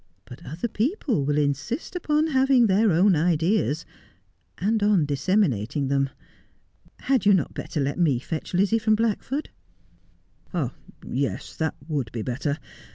But other people will insist upon having their own ideas, and on disseminating them. Had you not better let me fetch Lizzie from Blackford ?'' Yes, that would be better.